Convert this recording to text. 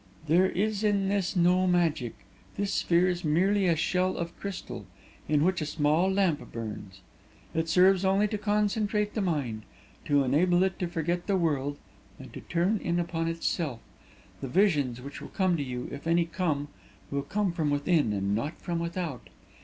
There is in this no magic; this sphere is merely a shell of crystal, in which a small lamp burns. It serves only to concentrate the mind, to enable it to forget the world and to turn in upon itself. The visions which will come to you, if any come, will come from within and not from without.